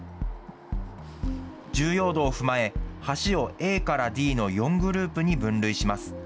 重要度を踏まえ、橋をＡからＤの４グループに分類します。